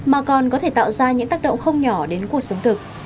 mà còn có thể tạo ra những tác động không nhỏ đến cuộc sống thực